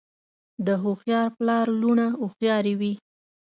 د هوښیار پلار لوڼه هوښیارې وي.